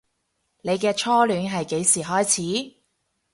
你嘅初戀係幾時開始